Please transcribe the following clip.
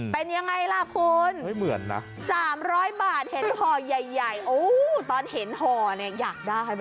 เป็นยังไงล่ะคุณนะ๓๐๐บาทเห็นห่อใหญ่โอ้ตอนเห็นห่อเนี่ยอยากได้ไหม